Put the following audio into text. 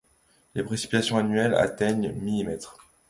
Les précipitations annuelles atteignent millimètres.